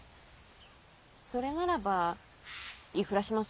それならば言い触らします。